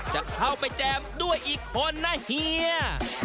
จะเข้าไปแจมด้วยอีกคนนะเฮีย